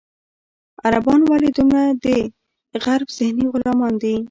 عربان ولې دومره د غرب ذهني غلامان دي.